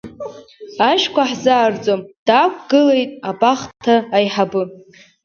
Ашәқәа ҳзаартӡом, даақәгылт абахҭа аиҳабы.